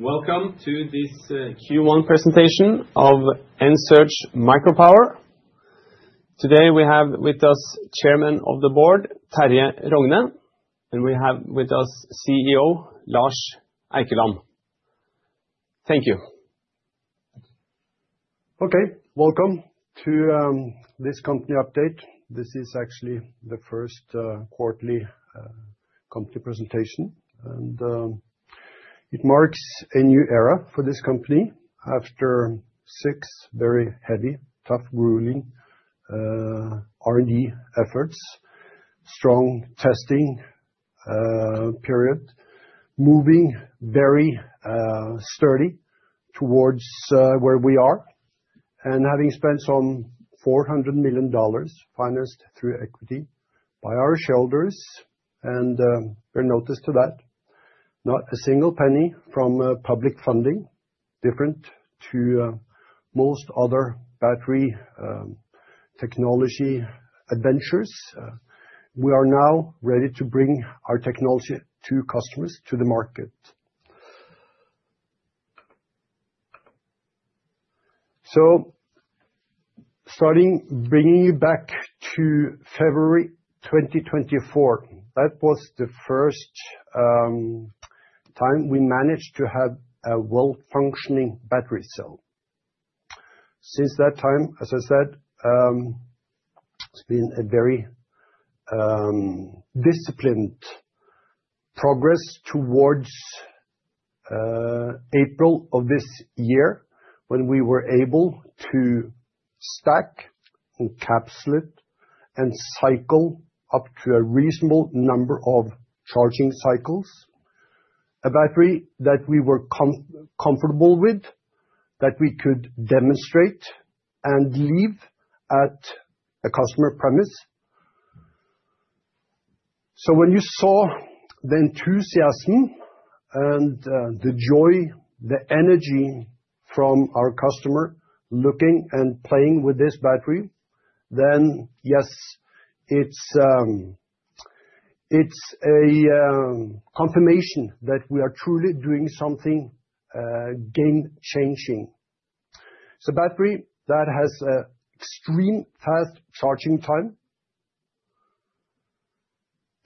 Welcome to this Q1 presentation of Ensurge Micropower. Today we have with us Chairman of the Board, Terje Rogne, and we have with us CEO, Lars Eikeland. Thank you. Okay, welcome to this company update. This is actually the first quarterly company presentation, and it marks a new era for this company after six very heavy, tough, grueling R&D efforts, strong testing period, moving very sturdy towards where we are. And having spent some $400 million financed through equity by our shoulders and bear notice to that, not a single penny from public funding, different to most other battery technology adventures, we are now ready to bring our technology to customers, to the market. Starting bringing you back to February 2024, that was the first time we managed to have a well-functioning battery cell. Since that time, as I said, it's been a very disciplined progress towards April of this year when we were able to stack, encapsulate, and cycle up to a reasonable number of charging cycles, a battery that we were comfortable with, that we could demonstrate and leave at a customer premise. When you saw the enthusiasm and the joy, the energy from our customer looking and playing with this battery, then yes, it's a confirmation that we are truly doing something game-changing. It's a battery that has an extremely fast charging time.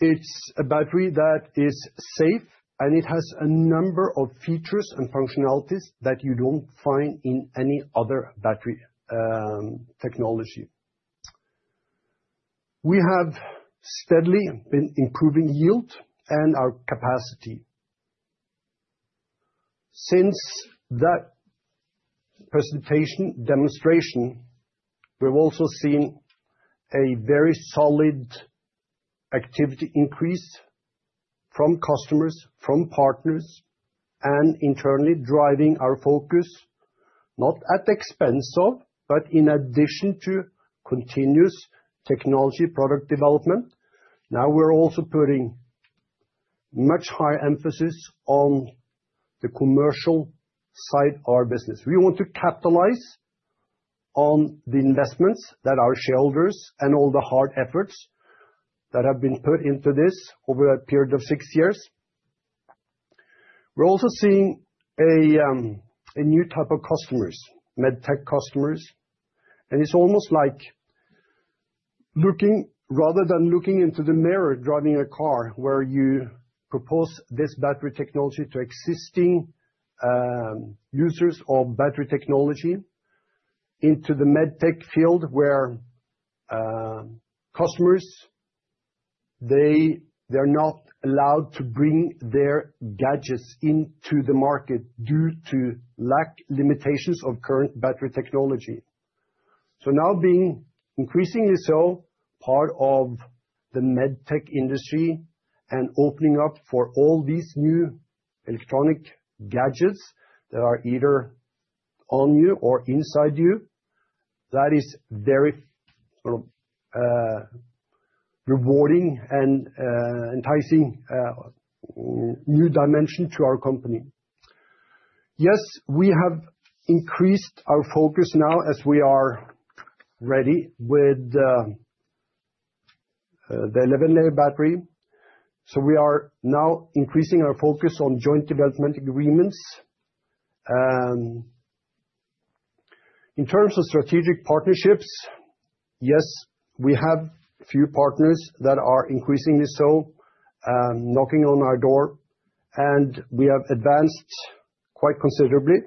It's a battery that is safe, and it has a number of features and functionalities that you don't find in any other battery technology. We have steadily been improving yield and our capacity. Since that presentation demonstration, we've also seen a very solid activity increase from customers, from partners, and internally driving our focus, not at the expense of, but in addition to continuous technology product development. Now we're also putting much higher emphasis on the commercial side of our business. We want to capitalize on the investments that our shareholders and all the hard efforts that have been put into this over a period of six years. We're also seeing a new type of customers, medtech customers, and it's almost like looking, rather than looking into the mirror, driving a car where you propose this battery technology to existing users of battery technology into the medtech field where customers, they are not allowed to bring their gadgets into the market due to lack limitations of current battery technology. Now being increasingly so part of the medtech industry and opening up for all these new electronic gadgets that are either on you or inside you, that is a very rewarding and enticing new dimension to our company. Yes, we have increased our focus now as we are ready with the 11-layer battery. We are now increasing our focus on joint development agreements. In terms of strategic partnerships, yes, we have a few partners that are increasingly so knocking on our door, and we have advanced quite considerably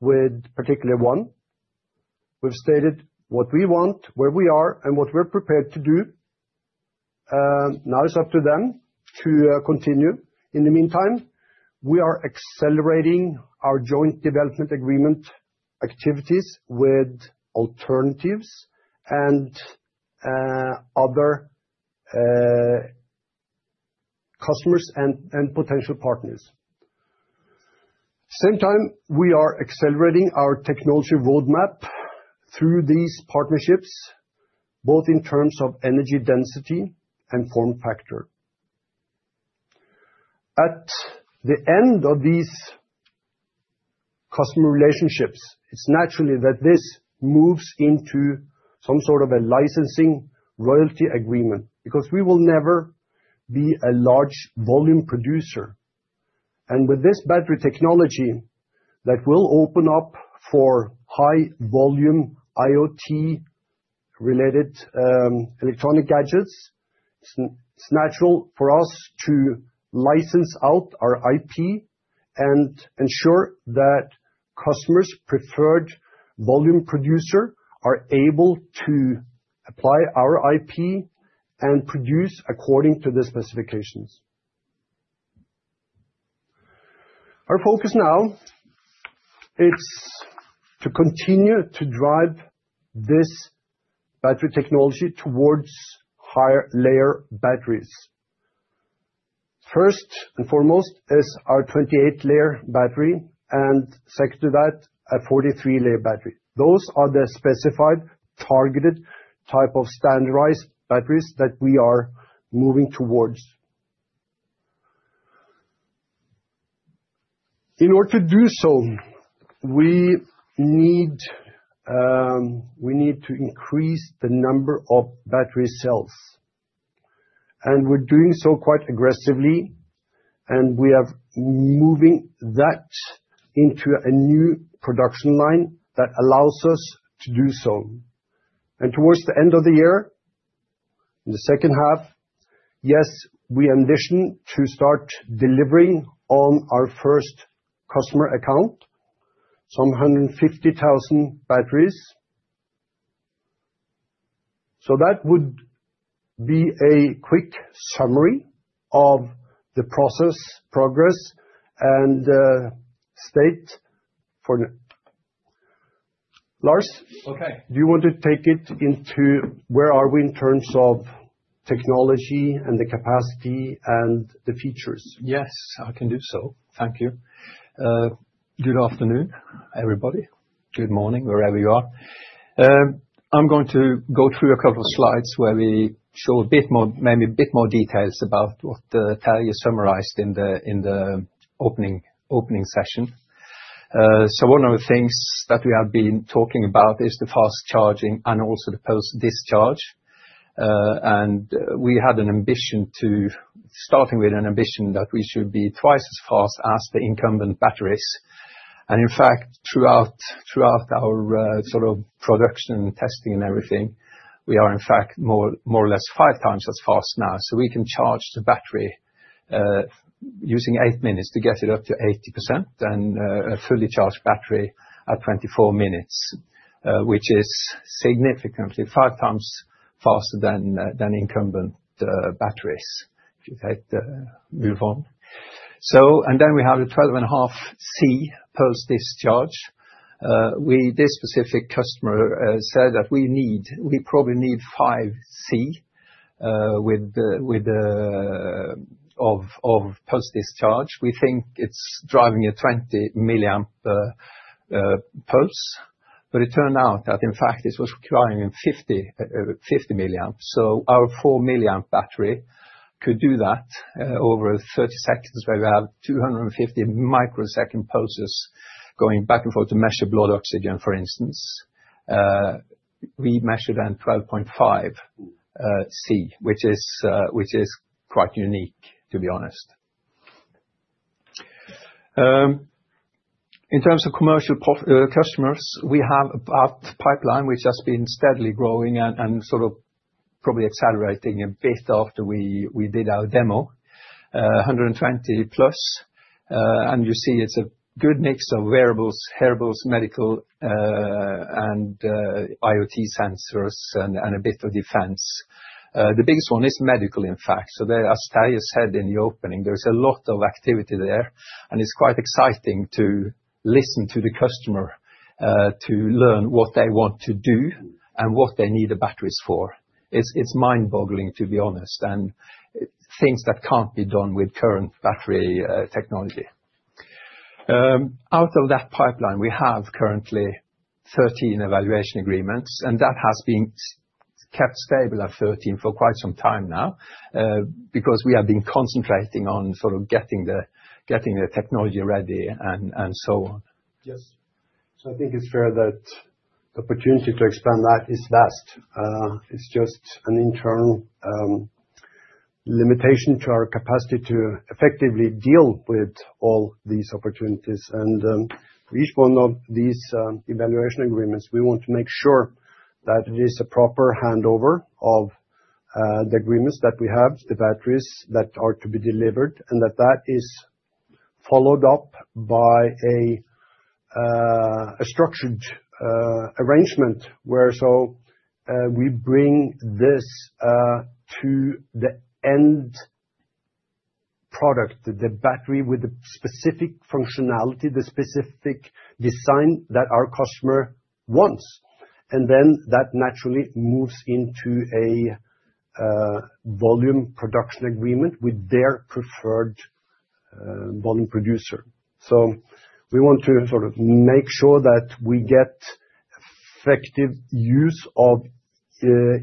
with particularly one. We have stated what we want, where we are, and what we are prepared to do. Now it is up to them to continue. In the meantime, we are accelerating our joint development agreement activities with alternatives and other customers and potential partners. At the same time, we are accelerating our technology roadmap through these partnerships, both in terms of energy density and form factor. At the end of these customer relationships, it's natural that this moves into some sort of a licensing royalty agreement because we will never be a large volume producer. With this battery technology that will open up for high volume IoT-related electronic gadgets, it's natural for us to license out our IP and ensure that customers' preferred volume producers are able to apply our IP and produce according to the specifications. Our focus now, it's to continue to drive this battery technology towards higher layer batteries. First and foremost is our 28-layer battery and second to that, a 43-layer battery. Those are the specified targeted type of standardized batteries that we are moving towards. In order to do so, we need to increase the number of battery cells, and we're doing so quite aggressively, and we are moving that into a new production line that allows us to do so. Towards the end of the year, in the second half, yes, we ambition to start delivering on our first customer account, some 150,000 batteries. That would be a quick summary of the process progress and state for Lars. Okay. Do you want to take it into where are we in terms of technology and the capacity and the features? Yes, I can do so. Thank you. Good afternoon, everybody. Good morning, wherever you are. I'm going to go through a couple of slides where we show a bit more, maybe a bit more details about what Terje summarized in the opening session. One of the things that we have been talking about is the fast charging and also the post-discharge. We had an ambition to, starting with an ambition that we should be twice as fast as the incumbent batteries. In fact, throughout our sort of production and testing and everything, we are in fact more or less five times as fast now. We can charge the battery using eight minutes to get it up to 80% and a fully charged battery at 24 minutes, which is significantly five times faster than incumbent batteries. If you take the move on. And then we have a 12.5 C pulse discharge. This specific customer said that we need, we probably need 5 C of pulse discharge. We think it's driving a 20 milliamp pulse, but it turned out that in fact it was requiring 50 milliamp. So our 4 milliamp battery could do that over 30 seconds where we have 250 microsecond pulses going back and forth to measure blood oxygen, for instance. We measured then 12.5 C, which is quite unique, to be honest. In terms of commercial customers, we have a pipeline which has been steadily growing and sort of probably accelerating a bit after we did our demo, 120 plus. And you see it's a good mix of wearables, hearables, medical, and IoT sensors and a bit of defense. The biggest one is medical, in fact. As Terje said in the opening, there's a lot of activity there, and it's quite exciting to listen to the customer to learn what they want to do and what they need the batteries for. It's mind-boggling, to be honest, and things that can't be done with current battery technology. Out of that pipeline, we have currently 13 evaluation agreements, and that has been kept stable at 13 for quite some time now because we have been concentrating on sort of getting the technology ready and so on. Yes. I think it's fair that the opportunity to expand that is vast. It's just an internal limitation to our capacity to effectively deal with all these opportunities. For each one of these evaluation agreements, we want to make sure that it is a proper handover of the agreements that we have, the batteries that are to be delivered, and that that is followed up by a structured arrangement where we bring this to the end product, the battery with the specific functionality, the specific design that our customer wants. That naturally moves into a volume production agreement with their preferred volume producer. We want to make sure that we get effective use of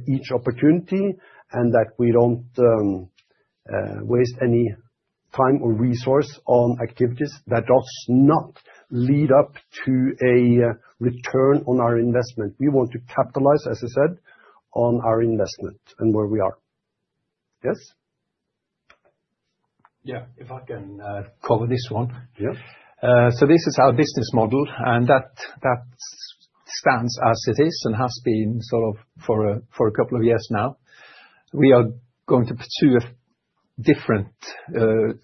each opportunity and that we don't waste any time or resource on activities that do not lead up to a return on our investment. We want to capitalize, as I said, on our investment and where we are. Yes. Yeah, if I can cover this one. Yeah. This is our business model, and that stands as it is and has been sort of for a couple of years now. We are going to pursue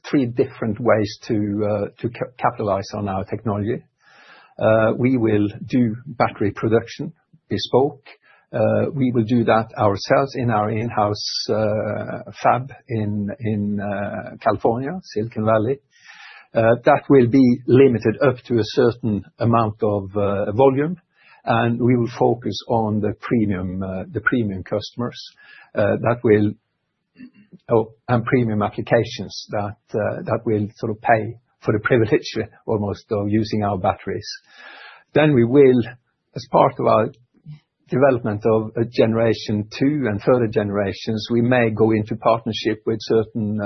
three different ways to capitalize on our technology. We will do battery production bespoke. We will do that ourselves in our in-house fab in California, Silicon Valley. That will be limited up to a certain amount of volume, and we will focus on the premium customers that will, and premium applications that will sort of pay for the privilege almost of using our batteries. We will, as part of our development of generation two and further generations, we may go into partnership with certain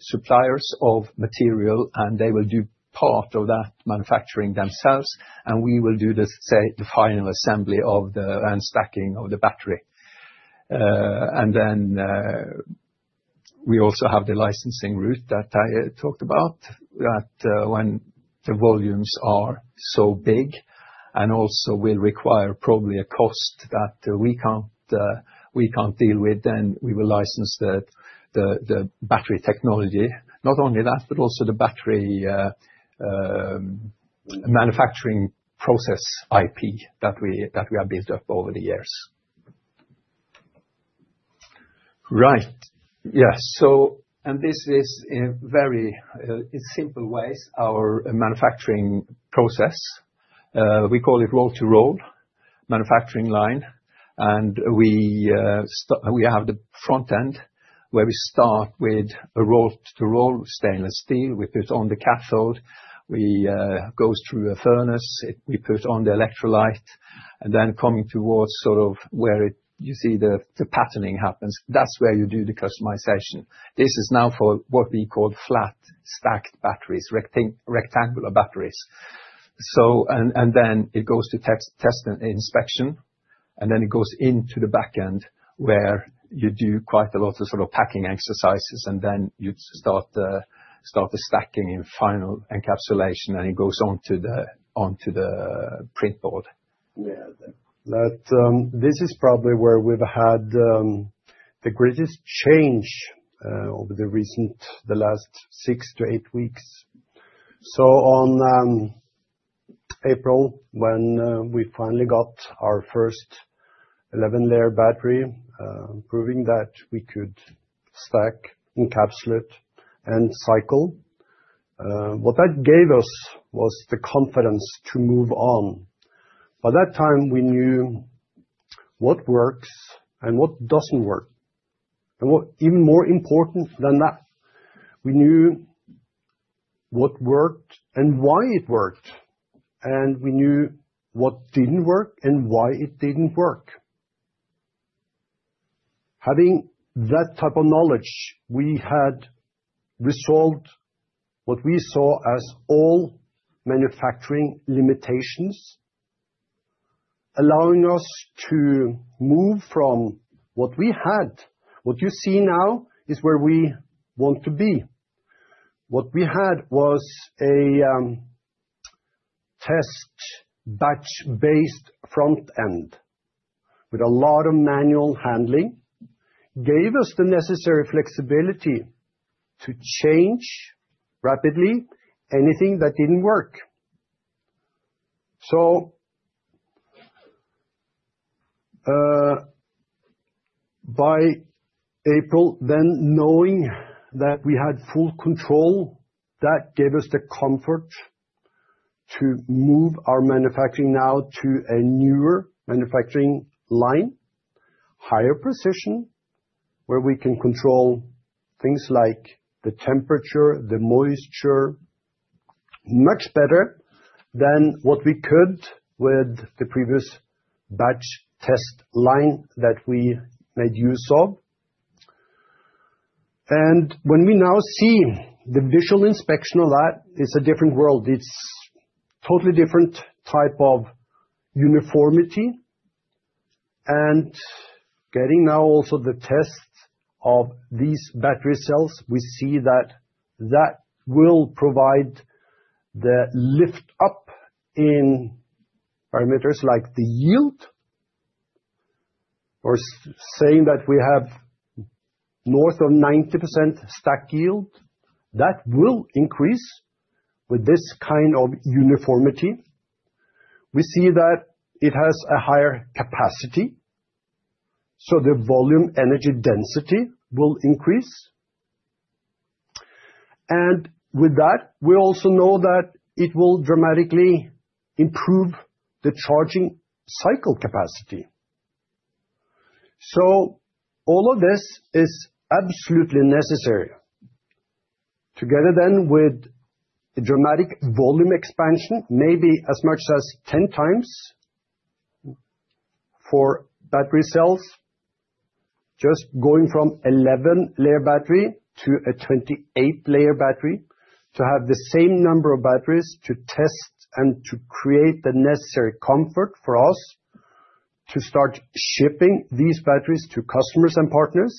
suppliers of material, and they will do part of that manufacturing themselves, and we will do the final assembly of the and stacking of the battery. We also have the licensing route that I talked about, that when the volumes are so big and also will require probably a cost that we can't deal with, then we will license the battery technology, not only that, but also the battery manufacturing process IP that we have built up over the years. Right. Yeah. In very simple ways, our manufacturing process, we call it roll-to-roll manufacturing line, and we have the front end where we start with a roll-to-roll stainless steel. We put on the cathode, we go through a furnace, we put on the electrolyte, and then coming towards sort of where you see the patterning happens, that's where you do the customization. This is now for what we call flat stacked batteries, rectangular batteries. And then it goes to test and inspection, and then it goes into the backend where you do quite a lot of sort of packing exercises, and then you start the stacking and final encapsulation, and it goes onto the print board. Yeah. This is probably where we've had the greatest change over the recent, the last six to eight weeks. On April, when we finally got our first 11-layer battery, proving that we could stack, encapsulate and cycle, what that gave us was the confidence to move on. By that time, we knew what works and what doesn't work. Even more important than that, we knew what worked and why it worked, and we knew what didn't work and why it didn't work. Having that type of knowledge, we had resolved what we saw as all manufacturing limitations, allowing us to move from what we had. What you see now is where we want to be. What we had was a test batch-based front end with a lot of manual handling, gave us the necessary flexibility to change rapidly anything that didn't work. By April, then knowing that we had full control, that gave us the comfort to move our manufacturing now to a newer manufacturing line, higher precision, where we can control things like the temperature, the moisture, much better than what we could with the previous batch test line that we made use of. When we now see the visual inspection of that, it's a different world. It's a totally different type of uniformity. Getting now also the test of these battery cells, we see that that will provide the lift up in parameters like the yield, or saying that we have north of 90% stack yield, that will increase with this kind of uniformity. We see that it has a higher capacity, so the volume energy density will increase. With that, we also know that it will dramatically improve the charging cycle capacity. All of this is absolutely necessary. Together then with a dramatic volume expansion, maybe as much as 10 times for battery cells, just going from 11-layer battery to a 28-layer battery to have the same number of batteries to test and to create the necessary comfort for us to start shipping these batteries to customers and partners,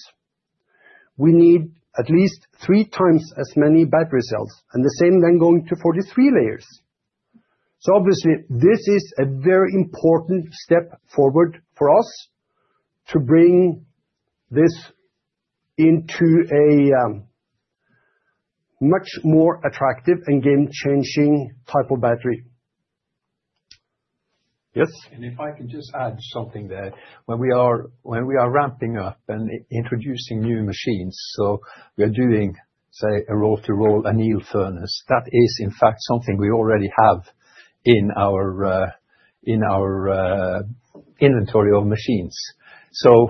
we need at least three times as many battery cells and the same then going to 43-layers. Obviously, this is a very important step forward for us to bring this into a much more attractive and game-changing type of battery. Yes? If I can just add something there, when we are ramping up and introducing new machines, we are doing, say, a roll-to-roll, a Heil furnace, that is in fact something we already have in our inventory of machines. We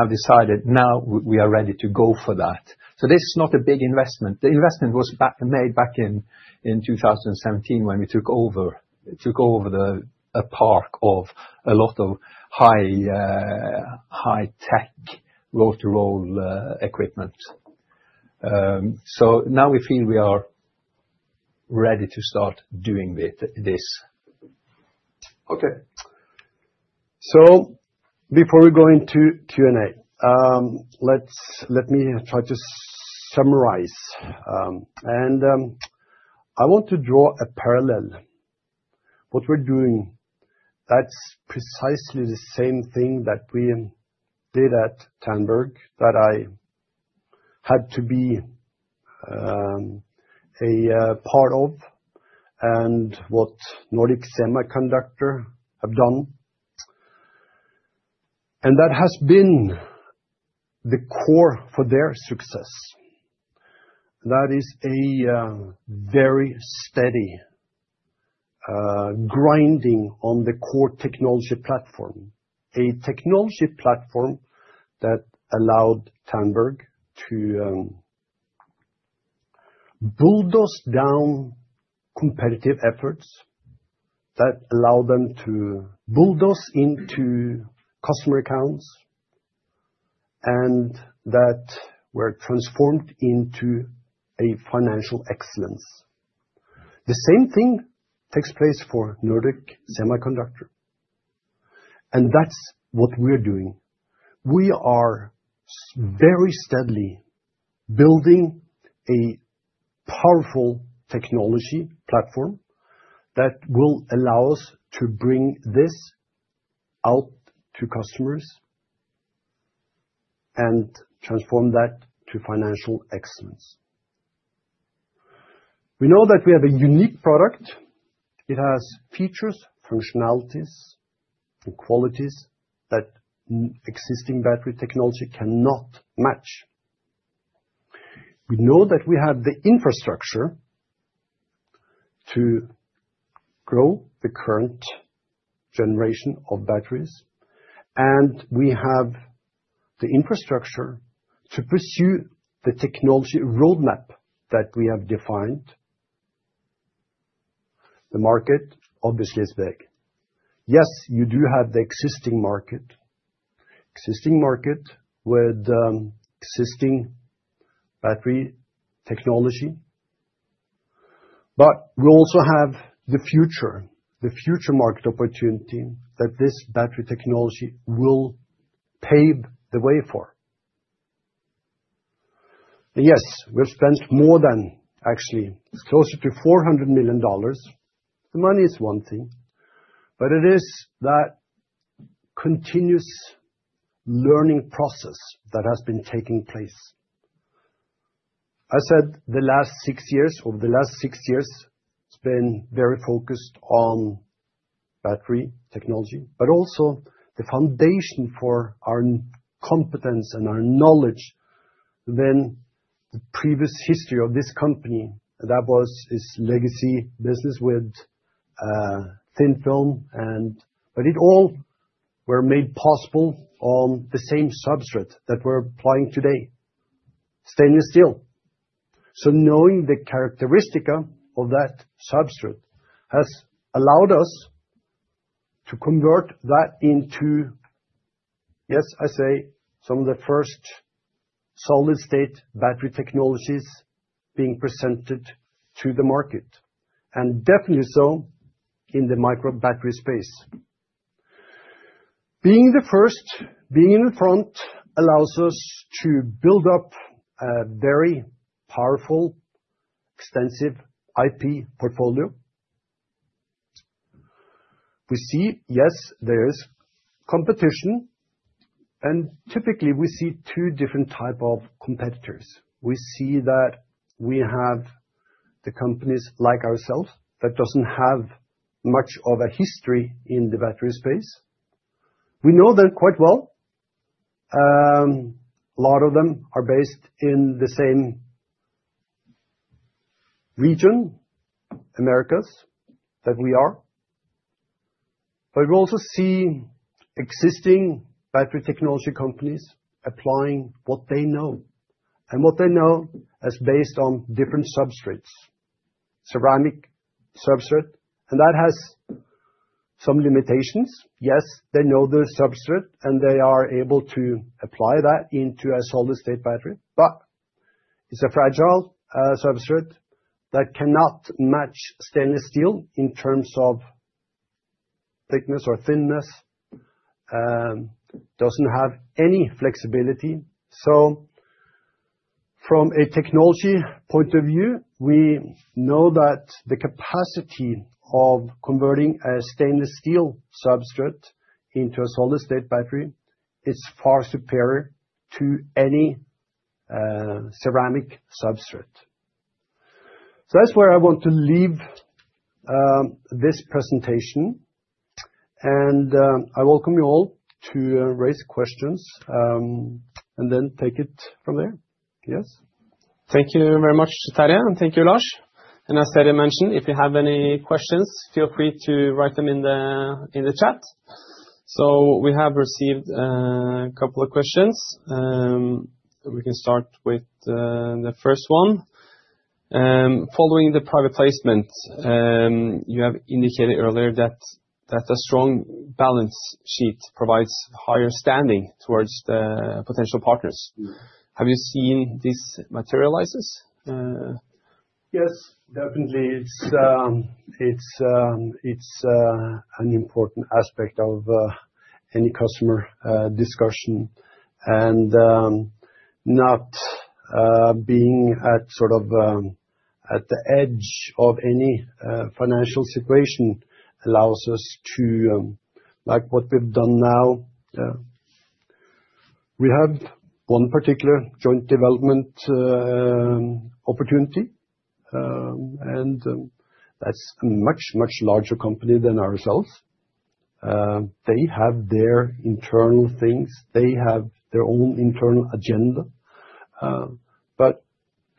have decided now we are ready to go for that. This is not a big investment. The investment was made back in 2017 when we took over a park of a lot of high-tech roll-to-roll equipment. Now we feel we are ready to start doing this. Okay. Before we go into Q&A, let me try to summarize. I want to draw a parallel. What we're doing, that's precisely the same thing that we did at Tandberg that I had to be a part of and what Nordic Semiconductor have done. That has been the core for their success. That is a very steady grinding on the core technology platform, a technology platform that allowed Tandberg to bulldoze down competitive efforts, that allowed them to bulldoze into customer accounts, and that were transformed into a financial excellence. The same thing takes place for Nordic Semiconductor. That's what we're doing. We are very steadily building a powerful technology platform that will allow us to bring this out to customers and transform that to financial excellence. We know that we have a unique product. It has features, functionalities, and qualities that existing battery technology cannot match. We know that we have the infrastructure to grow the current generation of batteries, and we have the infrastructure to pursue the technology roadmap that we have defined. The market obviously is big. Yes, you do have the existing market, existing market with existing battery technology, but we also have the future, the future market opportunity that this battery technology will pave the way for. Yes, we've spent more than, actually closer to $400 million. The money is one thing, but it is that continuous learning process that has been taking place. I said the last six years, over the last six years, it's been very focused on battery technology, but also the foundation for our competence and our knowledge than the previous history of this company that was its legacy business with thin film, but it all were made possible on the same substrate that we're applying today, stainless steel. Knowing the characteristics of that substrate has allowed us to convert that into, yes, I say, some of the first solid-state battery technologies being presented to the market, and definitely so in the micro battery space. Being the first, being in the front allows us to build up a very powerful, extensive IP portfolio. We see, yes, there is competition, and typically we see two different types of competitors. We see that we have the companies like ourselves that don't have much of a history in the battery space. We know them quite well. A lot of them are based in the same region, Americas, that we are. We also see existing battery technology companies applying what they know, and what they know is based on different substrates, ceramic substrate, and that has some limitations. Yes, they know the substrate, and they are able to apply that into a solid-state battery, but it's a fragile substrate that cannot match stainless steel in terms of thickness or thinness, doesn't have any flexibility. From a technology point of view, we know that the capacity of converting a stainless steel substrate into a solid-state battery is far superior to any ceramic substrate. That is where I want to leave this presentation, and I welcome you all to raise questions and then take it from there. Yes? Thank you very much, Terje, and thank you, Lars. As I mentioned, if you have any questions, feel free to write them in the chat. We have received a couple of questions. We can start with the first one. Following the private placement, you have indicated earlier that a strong balance sheet provides higher standing towards the potential partners. Have you seen this materialize? Yes, definitely. It's an important aspect of any customer discussion. Not being at sort of at the edge of any financial situation allows us to, like what we've done now, we have one particular joint development opportunity, and that's a much, much larger company than ourselves. They have their internal things. They have their own internal agenda.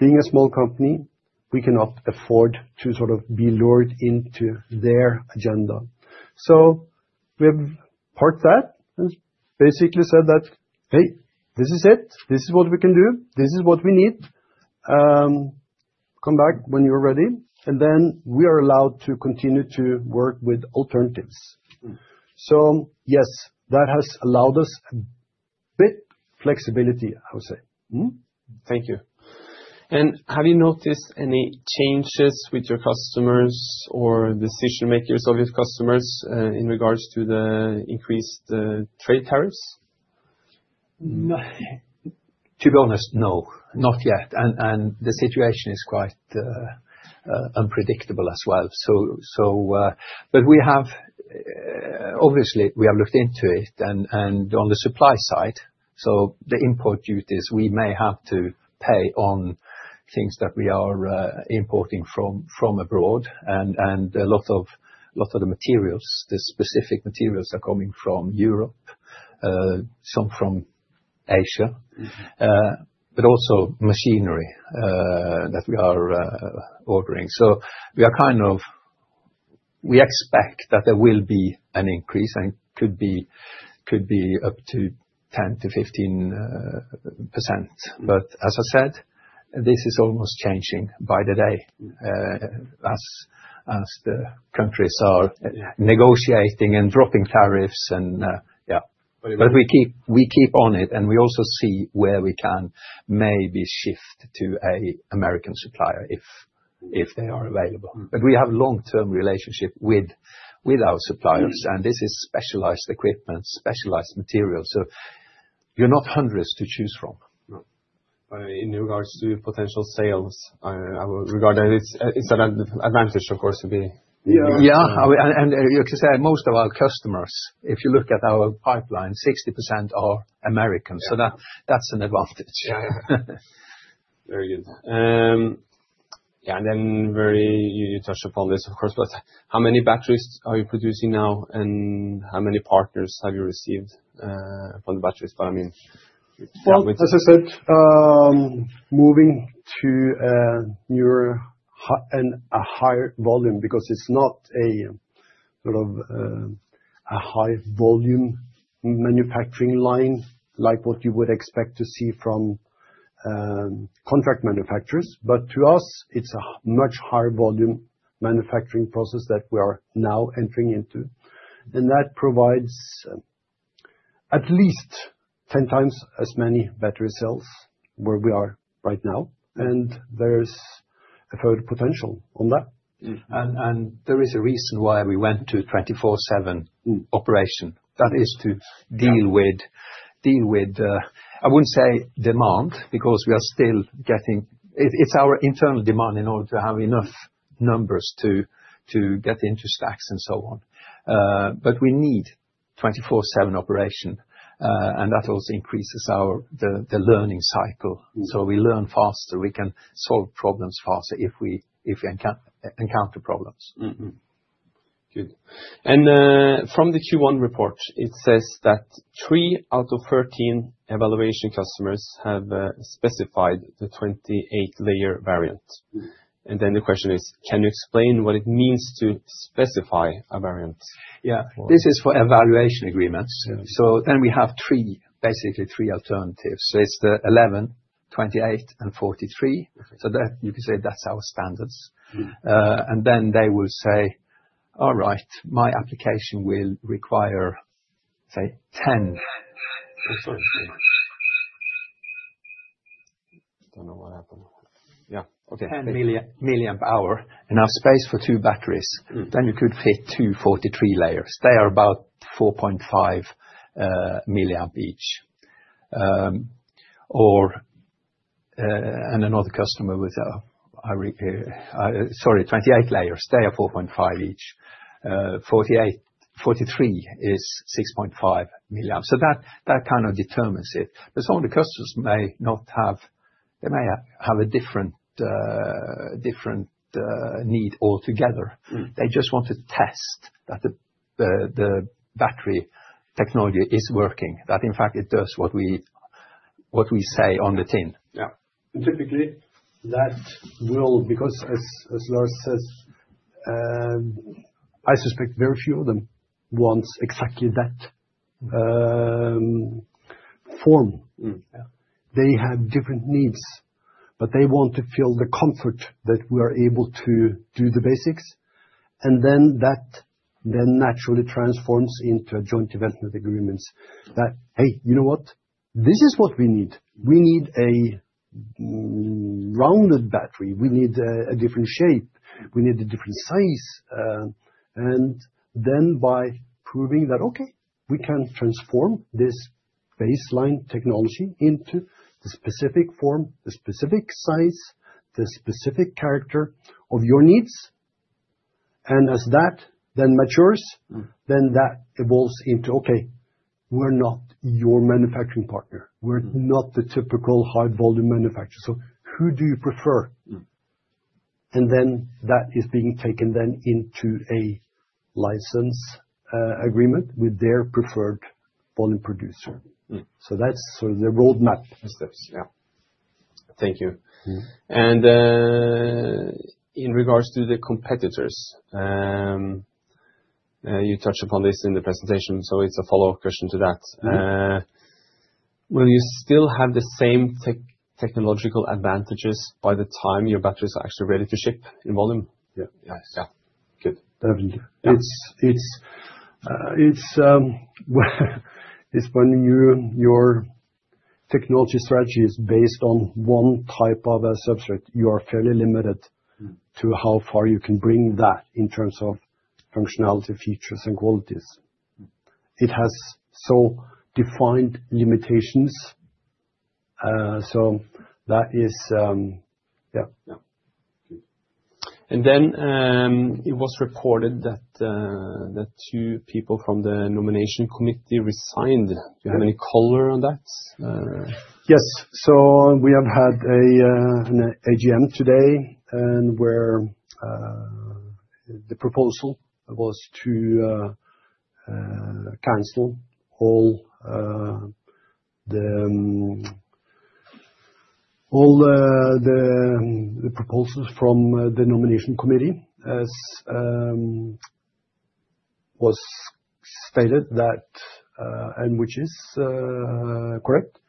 Being a small company, we cannot afford to sort of be lured into their agenda. We have parked that and basically said that, hey, this is it. This is what we can do. This is what we need. Come back when you're ready. We are allowed to continue to work with alternatives. Yes, that has allowed us a bit of flexibility, I would say. Thank you. Have you noticed any changes with your customers or decision-makers of your customers in regards to the increased trade tariffs? To be honest, no, not yet. The situation is quite unpredictable as well. Obviously, we have looked into it. On the supply side, the import duties, we may have to pay on things that we are importing from abroad. A lot of the materials, the specific materials, are coming from Europe, some from Asia, but also machinery that we are ordering. We expect that there will be an increase and could be up to 10-15%. As I said, this is almost changing by the day as the countries are negotiating and dropping tariffs. We keep on it. We also see where we can maybe shift to an American supplier if they are available. We have a long-term relationship with our suppliers, and this is specialized equipment, specialized materials. You're not hundreds to choose from. In regards to potential sales, regardless, it's an advantage, of course, to be. Yeah. You can say most of our customers, if you look at our pipeline, 60% are Americans. That is an advantage. Yeah. Very good. Yeah. You touched upon this, of course, but how many batteries are you producing now, and how many partners have you received from the batteries? I mean. As I said, moving to a higher volume because it's not a sort of a high-volume manufacturing line like what you would expect to see from contract manufacturers. To us, it's a much higher volume manufacturing process that we are now entering into. That provides at least 10 times as many battery cells where we are right now. There's a further potential on that. There is a reason why we went to 24/7 operation. That is to deal with, I would not say demand, because we are still getting, it is our internal demand in order to have enough numbers to get into stacks and so on. We need 24/7 operation, and that also increases the learning cycle. We learn faster. We can solve problems faster if we encounter problems. Good. From the Q1 report, it says that three out of thirteen evaluation customers have specified the 28-layer variant. The question is, can you explain what it means to specify a variant? Yeah. This is for evaluation agreements. So then we have basically three alternatives. It is the 11, 28, and 43. You can say that's our standards. They will say, all right, my application will require, say, 10. I don't know what happened. Yeah. Okay. 10 milliamp hour, enough space for two batteries, you could fit two 43-layer. They are about 4.5 milliamp each. Another customer with, sorry, 28-layer, they are 4.5 each. 43 is 6.5 milliamp. That kind of determines it. Some of the customers may not have, they may have a different need altogether. They just want to test that the battery technology is working, that in fact it does what we say on the tin. Yeah. Typically that will, because as Lars says, I suspect very few of them want exactly that form. They have different needs, but they want to feel the comfort that we are able to do the basics. That then naturally transforms into a joint development agreement that, hey, you know what? This is what we need. We need a rounded battery. We need a different shape. We need a different size. By proving that, okay, we can transform this baseline technology into the specific form, the specific size, the specific character of your needs. As that then matures, that evolves into, okay, we're not your manufacturing partner. We're not the typical high-volume manufacturer. Who do you prefer? That is being taken then into a license agreement with their preferred volume producer. That's sort of the roadmap. Steps. Yeah. Thank you. In regards to the competitors, you touched upon this in the presentation, so it's a follow-up question to that. Will you still have the same technological advantages by the time your batteries are actually ready to ship in volume? Yeah. Yeah. Good. Definitely. It's when your technology strategy is based on one type of a substrate, you are fairly limited to how far you can bring that in terms of functionality, features, and qualities. It has so defined limitations. So that is, yeah. Yeah. Good. It was reported that two people from the nomination committee resigned. Do you have any color on that? Yes. We have had an AGM today where the proposal was to cancel all the proposals from the nomination committee as was stated, and which is correct,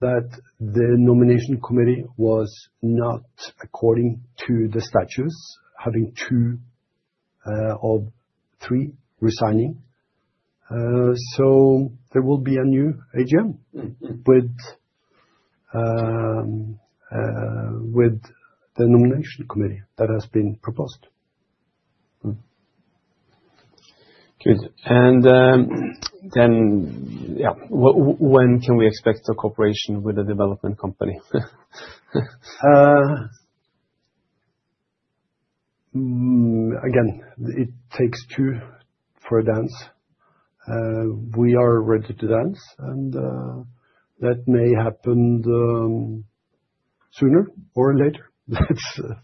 that the nomination committee was not according to the statutes, having two of three resigning. There will be a new AGM with the nomination committee that has been proposed. Good. Yeah, when can we expect a cooperation with a development company? Again, it takes two for a dance. We are ready to dance, and that may happen sooner or later. As I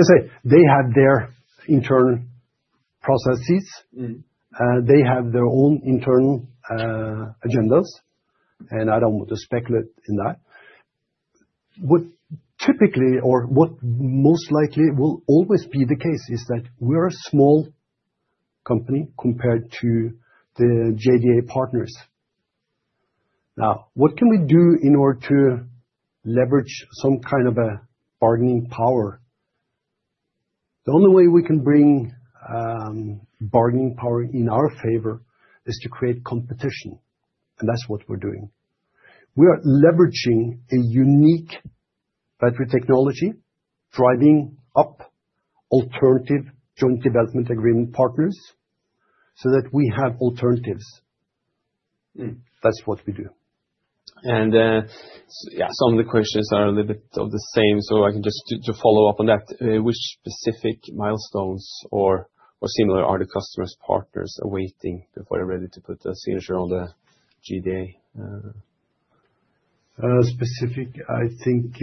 say, they have their internal processes. They have their own internal agendas. I do not want to speculate in that. What typically, or what most likely will always be the case, is that we are a small company compared to the JDA partners. Now, what can we do in order to leverage some kind of a bargaining power? The only way we can bring bargaining power in our favor is to create competition. That is what we are doing. We are leveraging a unique battery technology, driving up alternative joint development agreement partners so that we have alternatives. That is what we do. Yeah, some of the questions are a little bit of the same. I can just follow up on that. Which specific milestones or similar are the customers' partners awaiting before they're ready to put a signature on the JDA? Specific, I think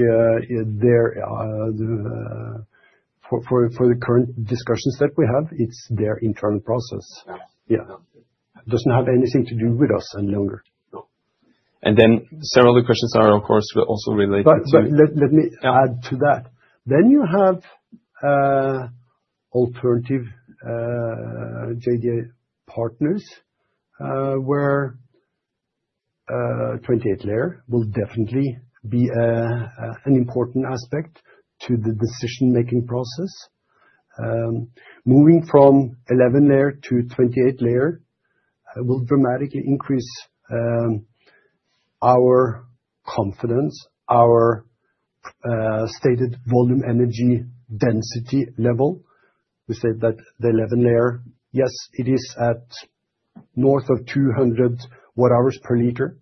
for the current discussions that we have, it's their internal process. Yeah. It doesn't have anything to do with us any longer. Several other questions are, of course, also related to. Let me add to that. Then you have alternative JDA partners where 28-layer will definitely be an important aspect to the decision-making process. Moving from 11-layer to 28-layer will dramatically increase our confidence, our stated volume energy density level. We said that the 11-layer, yes, it is at north of 200 watt-hours per liter.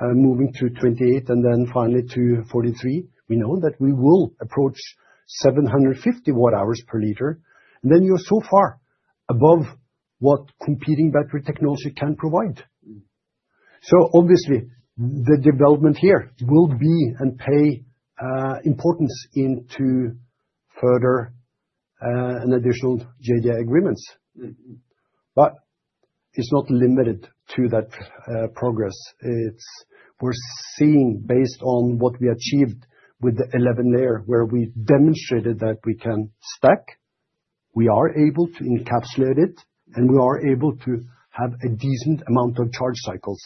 Moving to 28 and then finally to 43, we know that we will approach 750 watt-hours per liter. You are so far above what competing battery technology can provide. Obviously, the development here will be and pay importance into further and additional JDA agreements. It is not limited to that progress. We are seeing based on what we achieved with the 11-layer where we demonstrated that we can stack, we are able to encapsulate it, and we are able to have a decent amount of charge cycles.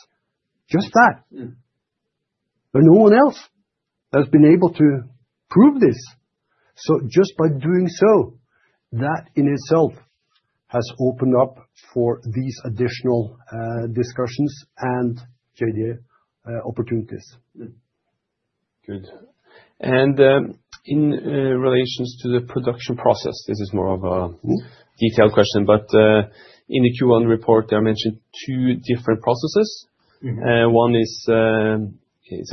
Just that. No one else has been able to prove this. So just by doing so, that in itself has opened up for these additional discussions and JDA opportunities. Good. In relation to the production process, this is more of a detailed question, but in the Q1 report, there are mentioned two different processes. One is the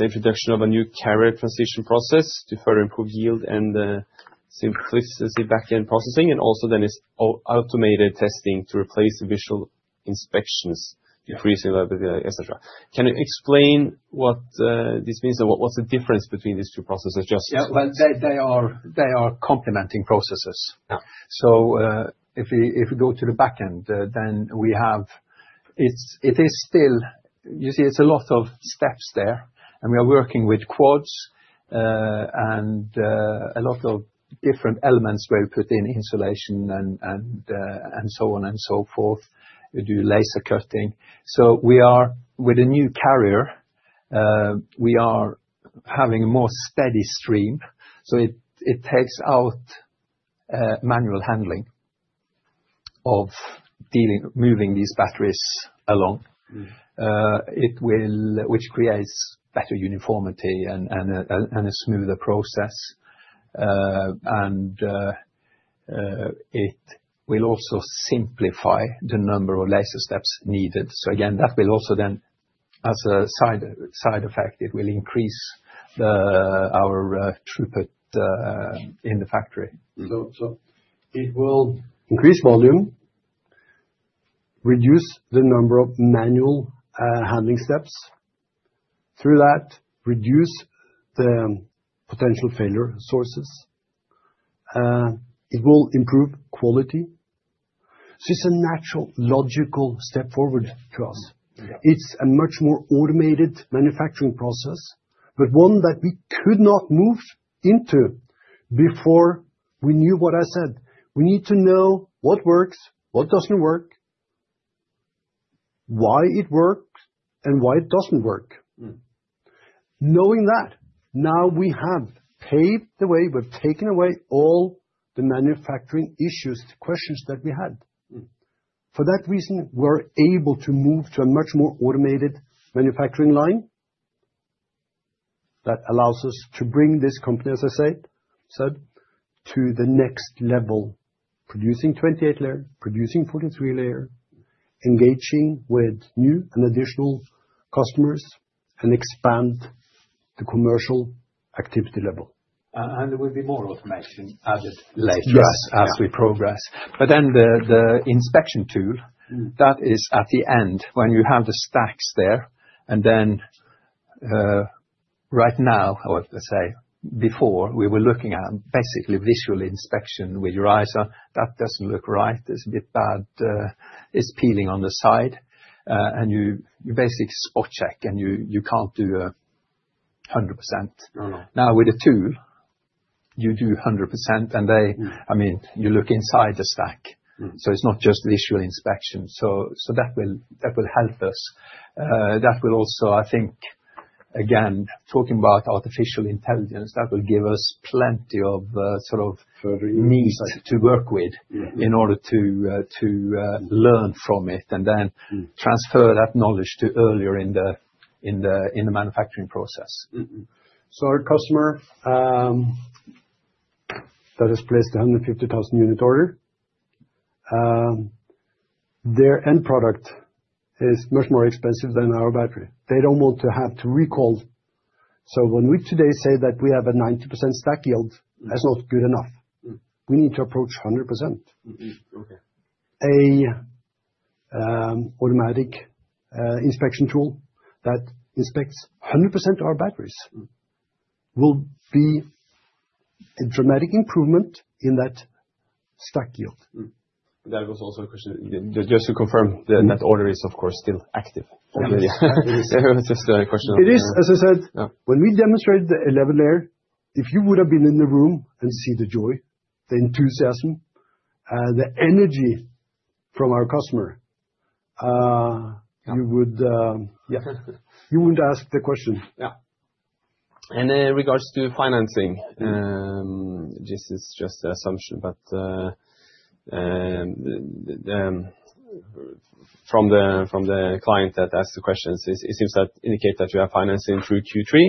introduction of a new carrier transition process to further improve yield and simplicity backend processing. Also, then it's automated testing to replace the visual inspections, decreasing liability, etc. Can you explain what this means and what's the difference between these two processes? Just. Yeah. They are complementing processes. If we go to the backend, then we have, it is still, you see, it's a lot of steps there. We are working with quads and a lot of different elements where we put in insulation and so on and so forth. We do laser cutting. With a new carrier, we are having a more steady stream. It takes out manual handling of moving these batteries along, which creates better uniformity and a smoother process. It will also simplify the number of laser steps needed. That will also then, as a side effect, increase our throughput in the factory. It will increase volume, reduce the number of manual handling steps. Through that, reduce the potential failure sources. It will improve quality. It is a natural, logical step forward to us. It is a much more automated manufacturing process, but one that we could not move into before we knew what I said. We need to know what works, what does not work, why it works, and why it does not work. Knowing that, now we have paved the way. We have taken away all the manufacturing issues, questions that we had. For that reason, we are able to move to a much more automated manufacturing line that allows us to bring this company, as I said, to the next level, producing 28-layer, producing 43-layer, engaging with new and additional customers, and expand the commercial activity level. There will be more automation added later. Yes, as we progress. The inspection tool, that is at the end when you have the stacks there. Right now, or let's say before, we were looking at basically visual inspection with your eyes on, that doesn't look right. It's a bit bad. It's peeling on the side. You basically spot check, and you can't do 100%. Now with a tool, you do 100%. I mean, you look inside the stack. It's not just visual inspection. That will help us. That will also, I think, again, talking about artificial intelligence, that will give us plenty of sort of needs to work with in order to learn from it and then transfer that knowledge to earlier in the manufacturing process. Our customer that has placed a 150,000 unit order, their end product is much more expensive than our battery. They don't want to have to recall. When we today say that we have a 90% stack yield, that's not good enough. We need to approach 100%. An automatic inspection tool that inspects 100% of our batteries will be a dramatic improvement in that stack yield. That was also a question. Just to confirm, that order is, of course, still active. Yes. It was just a question of. It is. As I said, when we demonstrated the 11-layer, if you would have been in the room and seen the joy, the enthusiasm, the energy from our customer, you wouldn't ask the question. Yeah. And in regards to financing, this is just an assumption, but from the client that asked the questions, it seems that indicates that you have financing through Q3.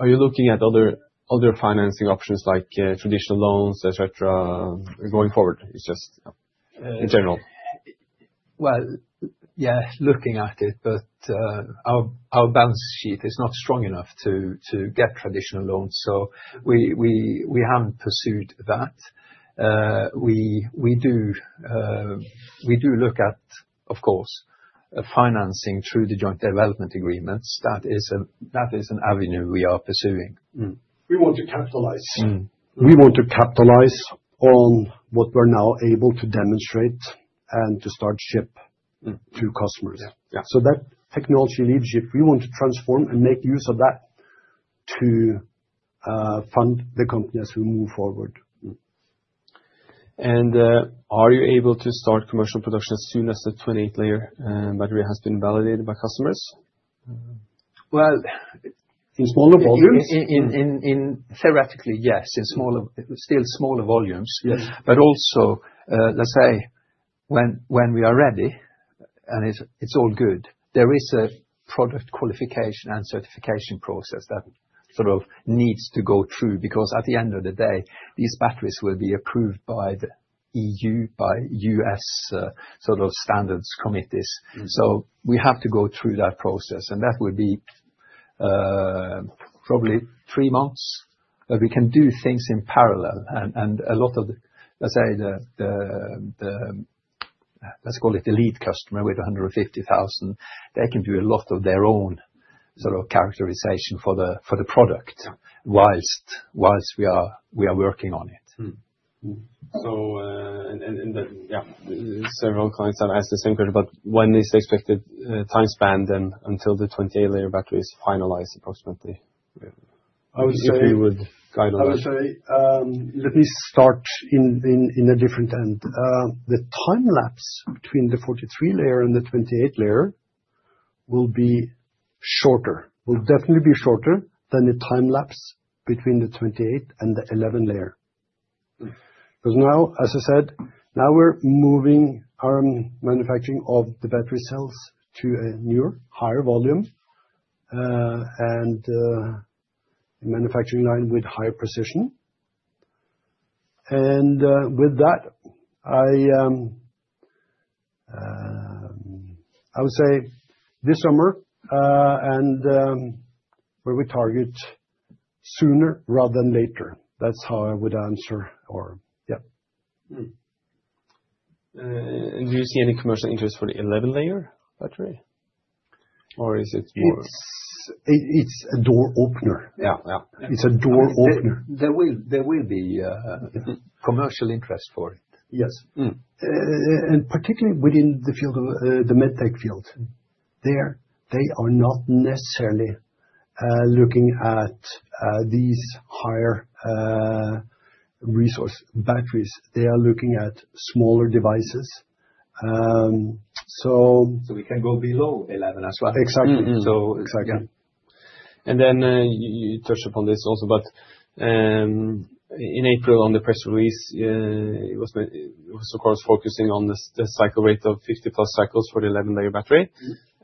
Are you looking at other financing options like traditional loans, etc., going forward? It's just in general. Yeah, looking at it, but our balance sheet is not strong enough to get traditional loans. So we haven't pursued that. We do look at, of course, financing through the joint development agreements. That is an avenue we are pursuing. We want to capitalize. We want to capitalize on what we're now able to demonstrate and to start ship to customers. That technology leadership, we want to transform and make use of that to fund the company as we move forward. Are you able to start commercial production as soon as the 28-layer battery has been validated by customers? Well. In smaller volumes? In theoretically, yes. In still smaller volumes. Also, let's say when we are ready and it's all good, there is a product qualification and certification process that sort of needs to go through because at the end of the day, these batteries will be approved by the EU, by U.S. sort of standards committees. We have to go through that process. That would be probably three months. We can do things in parallel. A lot of, let's say, the, let's call it the lead customer with 150,000, they can do a lot of their own sort of characterization for the product whilst we are working on it. Yeah, several clients have asked the same question, but when is the expected time span then until the 28-layer battery is finalized approximately? I would say. If you would guide on that. I would say, let me start in a different end. The time lapse between the 43-layer and the 28-layer will be shorter. Will definitely be shorter than the time lapse between the 28-layer and the 11-layer. Because now, as I said, now we're moving our manufacturing of the battery cells to a newer, higher volume and manufacturing line with higher precision. And with that, I would say this summer and where we target sooner rather than later. That's how I would answer, or yeah. Do you see any commercial interest for the 11-layer battery? Or is it more? It's a door opener. Yeah, it's a door opener. There will be commercial interest for it. Yes. Particularly within the field of the medtech field, they are not necessarily looking at these higher resource batteries. They are looking at smaller devices. We can go below 11 as well. Exactly. Exactly. You touched upon this also, but in April, on the press release, it was, of course, focusing on the cycle rate of 50plus cycles for the 11-layer battery.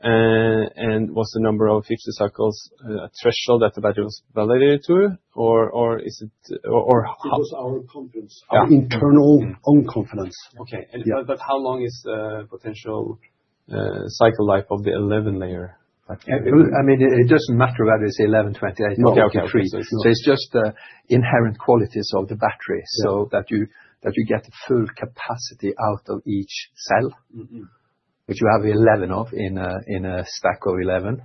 Was the number of 50 cycles a threshold that the battery was validated to? Or is it. It was our confidence. Our internal own confidence. Okay. But how long is the potential cycle life of the 11-layer battery? I mean, it doesn't matter whether it's 11, 28, or 43. It's just the inherent qualities of the battery so that you get the full capacity out of each cell, which you have 11 of in a stack of 11.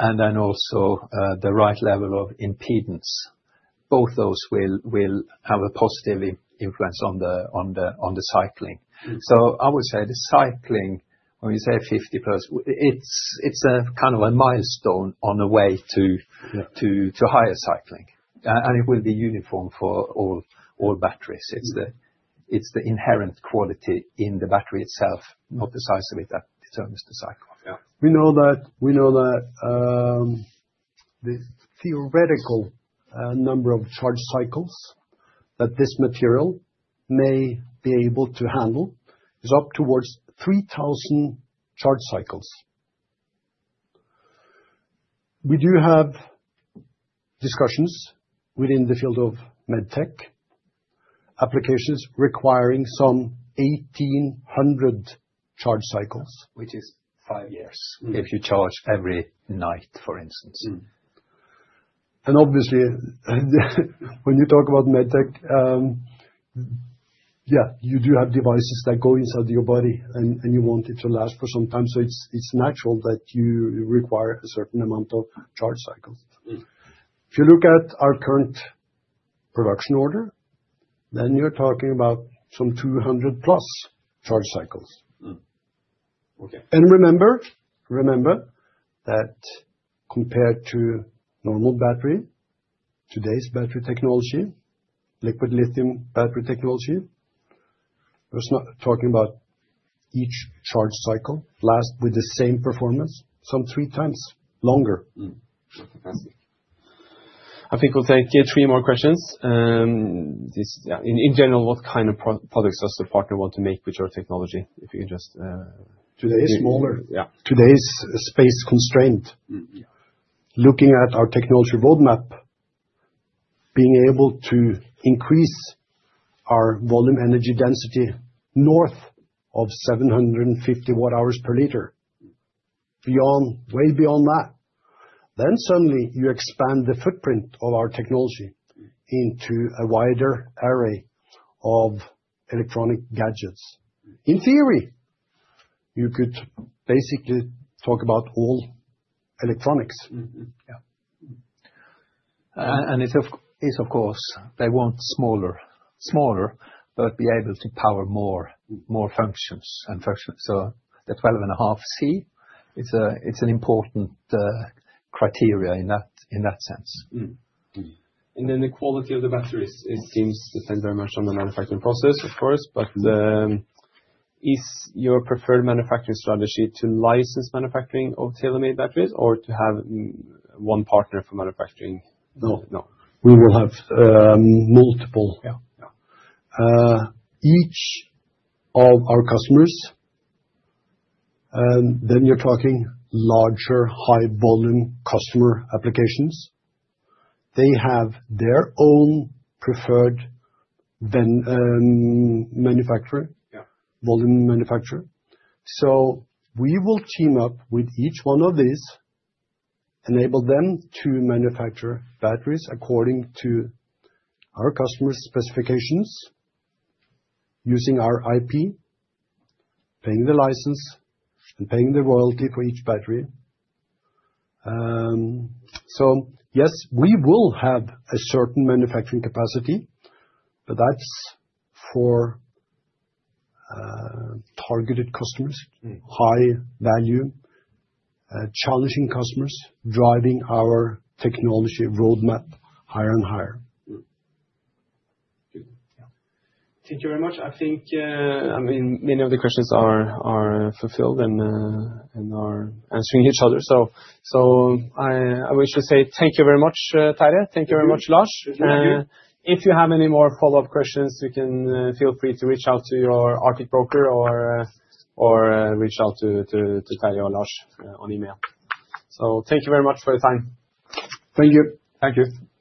Also, the right level of impedance. Both those will have a positive influence on the cycling. I would say the cycling, when we say 50-plus, it's a kind of a milestone on the way to higher cycling. It will be uniform for all batteries. It's the inherent quality in the battery itself, not the size of it, that determines the cycle. We know that the theoretical number of charge cycles that this material may be able to handle is up towards 3,000 charge cycles. We do have discussions within the field of medtech applications requiring some 1,800 charge cycles. Which is five years if you charge every night, for instance. Obviously, when you talk about medtech, yeah, you do have devices that go inside your body and you want it to last for some time. It is natural that you require a certain amount of charge cycles. If you look at our current production order, then you are talking about some 200-plus charge cycles. Remember that compared to normal battery, today's battery technology, liquid lithium battery technology, we are talking about each charge cycle lasts with the same performance some three times longer. Fantastic. I think we'll take three more questions. In general, what kind of products does the partner want to make with your technology? If you can just. Today's smaller. Today's space constrained. Looking at our technology roadmap, being able to increase our volume energy density north of 750 watt-hours per liter, way beyond that, then suddenly you expand the footprint of our technology into a wider array of electronic gadgets. In theory, you could basically talk about all electronics. Of course they want smaller, smaller, but be able to power more functions. So the 12.5 C, it's an important criteria in that sense. The quality of the batteries, it seems, depends very much on the manufacturing process, of course. Is your preferred manufacturing strategy to license manufacturing of tailor-made batteries or to have one partner for manufacturing? No. We will have multiple. Each of our customers, then you're talking larger, high-volume customer applications. They have their own preferred manufacturer, volume manufacturer. We will team up with each one of these, enable them to manufacture batteries according to our customer's specifications using our IP, paying the license, and paying the royalty for each battery. Yes, we will have a certain manufacturing capacity, but that's for targeted customers, high-value, challenging customers driving our technology roadmap higher and higher. Thank you very much. I think, I mean, many of the questions are fulfilled and are answering each other. So I wish to say thank you very much, Terje. Thank you very much, Lars. Thank you. If you have any more follow-up questions, you can feel free to reach out to your Arctic broker or reach out to Terje or Lars on email. Thank you very much for your time. Thank you. Thank you.